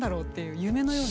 夢のような。